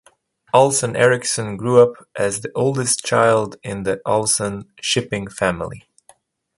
Olsson Eriksson grew up as the oldest child in the Olsson shipping family.